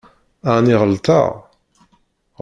Ɛni ɣelṭeɣ?